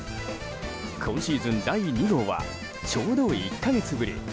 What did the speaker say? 今シーズン第２号はちょうど１か月ぶり。